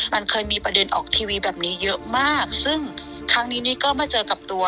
มันเคยมีประเด็นออกทีวีแบบนี้เยอะมากซึ่งครั้งนี้นี่ก็มาเจอกับตัว